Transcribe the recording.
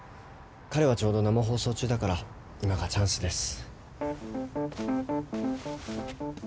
彼はちょうど生放送中だから今がチャンスです。